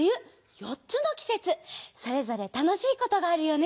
４つのきせつそれぞれたのしいことがあるよね。